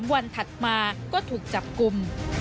วันถัดมาก็ถูกจับกลุ่ม